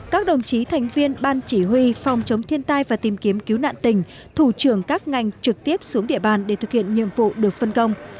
các đồng chí thành viên ban chỉ huy phòng chống thiên tai và tìm kiếm cứu nạn tỉnh thủ trưởng các ngành trực tiếp xuống địa bàn để thực hiện nhiệm vụ được phân công